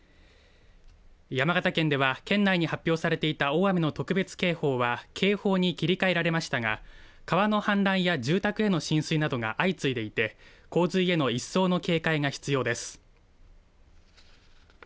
山形県では県内に発表されていた大雨の特別警報は警報に切り替えられましたが川の氾濫や住宅への浸水などが相次いでいて洪水への一層の警戒が必要です。